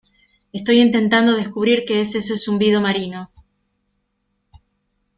estoy intentando descubrir que es ese zumbido marino.